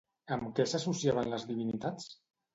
Amb què s'associaven les divinitats?